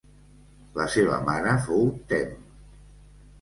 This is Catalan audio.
La seva mare fou Tem.